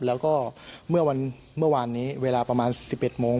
แล้วก็เมื่อวันเมื่อวานนี้เวลาประมาณสิบเอ็ดโมง